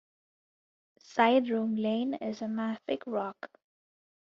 Sideromelane is a mafic rock.